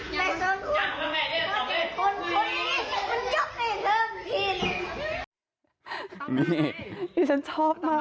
จิ๊นชอบมาก